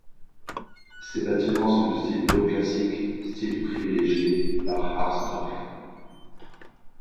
Ses bâtiments sont de style néoclassiques, style privilégié par Harsdorff.